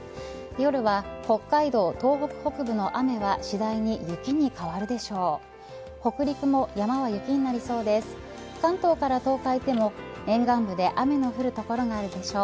夜は北海道、東北北部の雨は次第に雪に変わるでしょう。